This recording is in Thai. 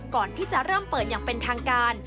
ก่อนที่จะเริ่มเปิดอย่างเป็นทางการ